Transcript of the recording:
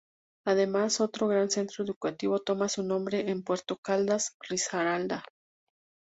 Además otro gran centro educativo toma su nombre en Puerto Caldas, Risaralda.